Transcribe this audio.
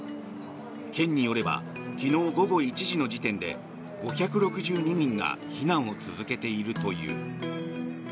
県によれば昨日午後１時の時点で５６２人が避難を続けているという。